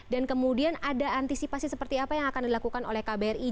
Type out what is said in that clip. dan kemudian ada antisipasi seperti apa yang akan dilakukan oleh kbri